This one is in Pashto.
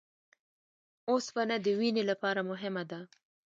اوسپنه د وینې لپاره مهمه ده